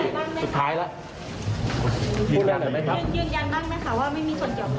หวกครอบครัวไหมบอกทำไมครับพี่